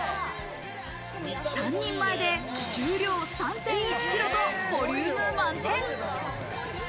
３人前で重量３．１ｋｇとボリューム満点。